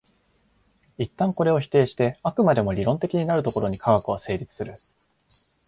一旦これを否定して飽くまでも理論的になるところに科学は成立する。